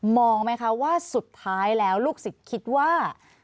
มองไหมคะว่าสุดท้ายแล้วลูกศิษย์คิดว่า